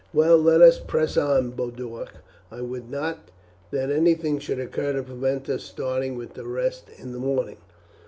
"Well, let us press on, Boduoc. I would not that anything should occur to prevent us starting with the rest in the morning."